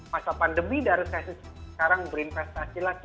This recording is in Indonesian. masa pandemi dan resesi sekarang berinvestasi lagi